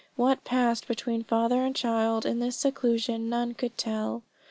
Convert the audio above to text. What passed between father and child in this seclusion none could tell.